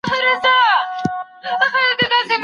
څوک چي کتاب لولي خپل نظر لري.